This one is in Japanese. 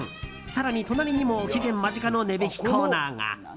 更に隣にも期限間近の値引きコーナーが。